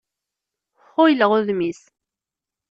Xuyleɣ udem-is.